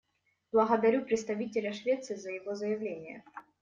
Благодарю представителя Швеции за его заявление.